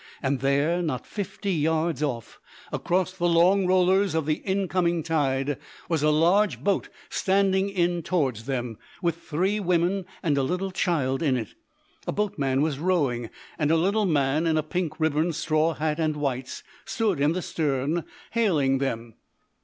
And there, not fifty yards off, across the long rollers of the incoming tide, was a large boat standing in towards them, with three women and a little child in it. A boatman was rowing, and a little man in a pink ribboned straw hat and whites stood in the stern, hailing them.